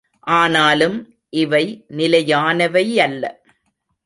ஆனாலும் இவை நிலையானவையல்ல.